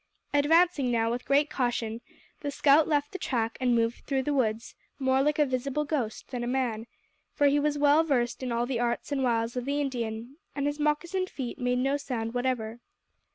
Advancing now with great caution, the scout left the track and moved through the woods more like a visible ghost than a man, for he was well versed in all the arts and wiles of the Indian, and his moccasined feet made no sound whatever.